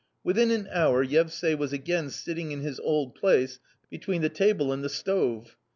Within an hour Yevsay was again sitting in his old place between the table and the store.